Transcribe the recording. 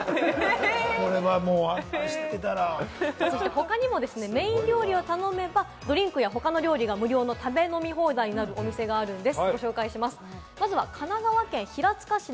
他にもですね、メイン料理を頼めばドリンクや他の料理が無料の食べ飲み放題の店があるんです。